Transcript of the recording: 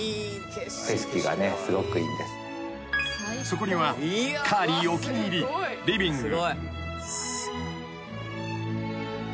［そこにはカーリーお気に入りリビング］